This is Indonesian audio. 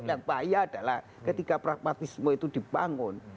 yang bahaya adalah ketika pragmatisme itu dibangun